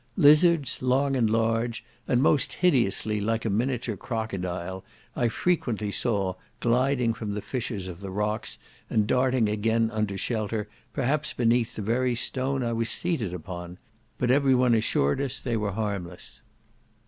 Lizards, long, large, and most hideously like a miniature crocodile, I frequently saw, gliding from the fissures of the rocks, and darting again under shelter, perhaps beneath the very stone I was seated upon; but every one assured us they were harmless.